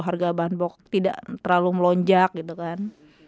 harga bahan pokok tidak terlalu melonjak gitu kan